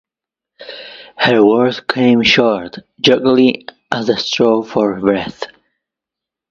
Her words came short, jerkily, as she strove for breath.